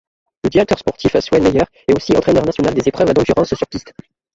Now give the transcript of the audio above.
Le directeur sportif, Sven Meyer, est aussi entraîneur national des épreuves d'endurance sur piste.